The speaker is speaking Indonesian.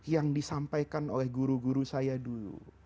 yang disampaikan oleh guru guru saya dulu